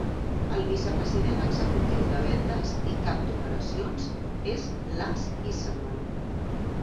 El vicepresident executiu de vendes i cap d'operacions és Lance Iserman.